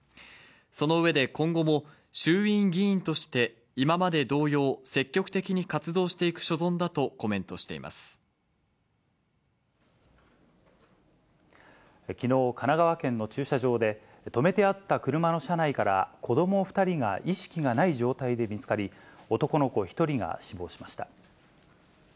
その上で、今後も衆院議員として今まで同様、積極的に活動していく所存だとコきのう、神奈川県の駐車場で、止めてあった車の車内から子ども２人が意識がない状態で見つかり、男の子１人が死亡しました。